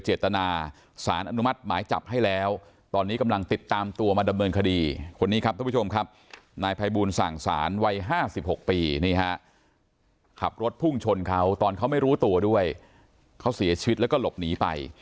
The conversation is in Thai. เขาเสียชีวิตแล้วก็หลบหนีไป